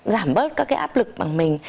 giảm bớt các áp lực bằng mình